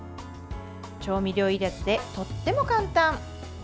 調味料いらずでとっても簡単。